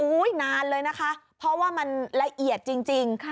นานเลยนะคะเพราะว่ามันละเอียดจริง